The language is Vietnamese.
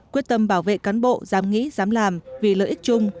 quyết tâm bảo vệ cán bộ dám nghĩ dám làm vì lợi ích chung